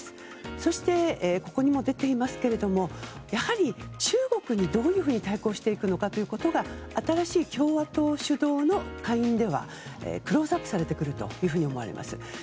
そして、ここにも出ていますがやはり、中国にどういうふうに対抗していくのかということが新しい共和党主導の下院ではクローズアップされてくると思います。